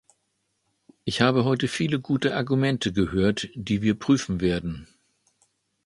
Ich habe heute viele gute Argumente gehört, die wir prüfen werden.